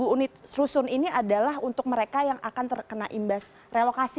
dua puluh unit rusun ini adalah untuk mereka yang akan terkena imbas relokasi